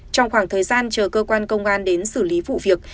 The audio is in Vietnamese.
trong khoảng thời gian chờ cơ quan công an đến xử lý vụ việc